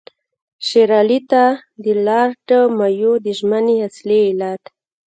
شېر علي ته د لارډ مایو د ژمنې اصلي علت.